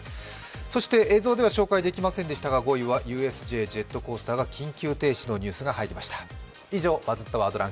そして映像では紹介できませんでしたが、５位はＵＳＪジェットコースター緊急停止のニュースが入りました。